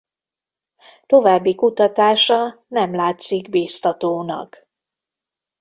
További kutatása nem látszik biztatónak.